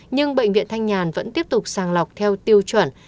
nhưng bệnh viện thanh nhàn vẫn tiếp tục sàng lọc theo tiêu chuẩn